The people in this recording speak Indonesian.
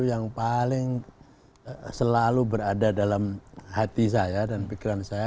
yang paling selalu berada dalam hati saya dan pikiran saya